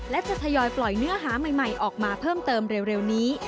และจะทยอยปล่อยเนื้อหาใหม่ออกมาเพิ่มเติมเร็วนี้